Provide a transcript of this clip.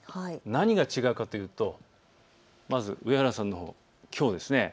何が違うかと言うとまず上原さんのほう、きょうですね。